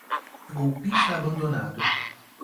Golpista abandonado